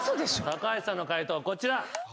高橋さんの解答こちら。